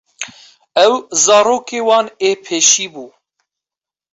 Ew zarokê wan ê pêşî bû.